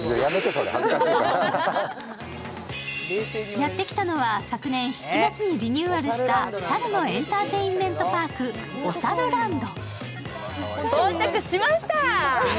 やってきたのは昨年７月にリニューアルした猿のエンターテインメントパークおさるランド。